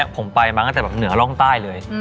ผมไปมาตั้งแต่แบบเหนือร่องใต้เลย